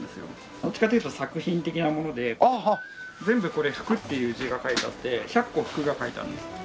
どっちかというと作品的なもので全部これ「福」っていう字が書いてあって１００個「福」が書いてあるんです。